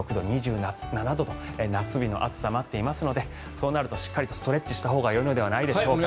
２６度、２７度と夏日の暑さが待っていますのでそうなるとしっかりとストレッチしたほうがよいのではないでしょうか。